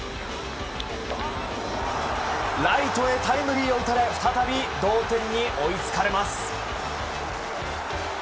ライトへタイムリーを打たれ再び同点に追いつかれます。